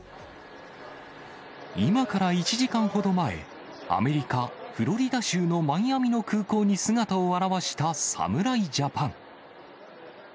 今から１時間ほど前、アメリカ・フロリダ州のマイアミの空港に姿を現した侍ジャパン。